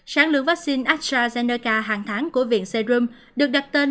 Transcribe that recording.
sản lượng vaccine astrazeneca hàng tháng của viện serum được đặt tên